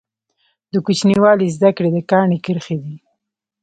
د کوچنیوالي زده کړي د کاڼي کرښي دي.